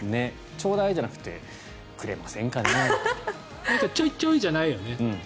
ちょうだいじゃなくてくれませんかね。チョイチョイじゃないよね。